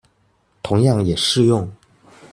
同樣也適用